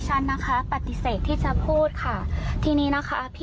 ต่ออยากพูดดีทำพูดดีละครับ